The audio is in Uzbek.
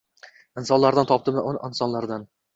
Insonlardan topdim uni, insonlardan.